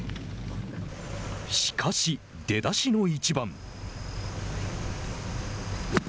しかし、出だしの１番。